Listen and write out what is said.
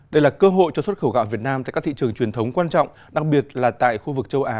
đây là cơ hội cho xuất khẩu gạo việt nam tại các thị trường truyền thống quan trọng đặc biệt là tại khu vực châu á